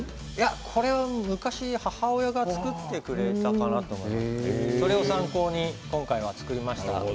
これは昔、母親が作ってくれたかなそれを参考に今回は作りました。